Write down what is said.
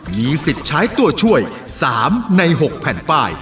มีสิทธิ์ใช้ตัวช่วย๓ใน๖แผ่นป้าย